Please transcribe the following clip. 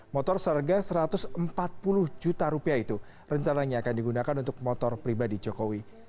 motor seharga rp satu ratus empat puluh juta rupiah itu rencananya akan digunakan untuk motor pribadi jokowi